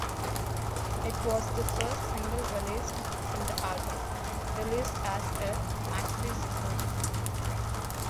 It was the first single released from the album, released as a maxi-single.